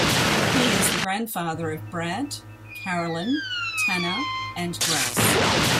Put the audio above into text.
He is the grandfather of Brad, Caroline, Tanner, and Grace.